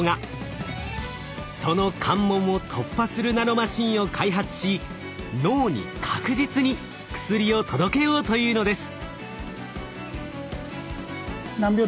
その関門を突破するナノマシンを開発し脳に確実に薬を届けようというのです。